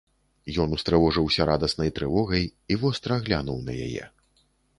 Ён устрывожыўся радаснай трывогай і востра глянуў на яе.